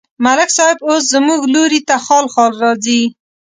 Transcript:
ملک صاحب اوس زموږ لوري ته خال خال راځي.